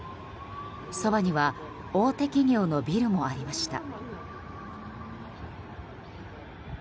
そばには大手企業のビルもありました。